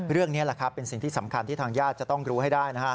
นี่แหละครับเป็นสิ่งที่สำคัญที่ทางญาติจะต้องรู้ให้ได้นะฮะ